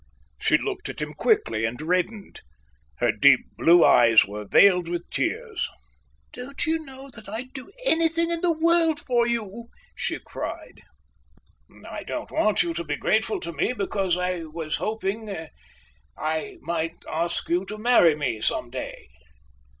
She looked at him quickly and reddened. Her deep blue eyes were veiled with tears. "Don't you know that I'd do anything in the world for you?" she cried. "I don't want you to be grateful to me, because I was hoping—I might ask you to marry me some day."